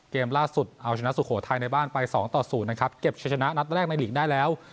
เกมล่าสุดเอาชนะสุโขทัยในบ้านไป๒ต่อ๐นะครับเก็บชนะนัดแรกในหลีกได้แล้ว